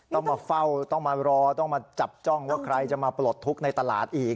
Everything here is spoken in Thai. ต้องมาเฝ้าต้องมารอต้องมาจับจ้องว่าใครจะมาปลดทุกข์ในตลาดอีก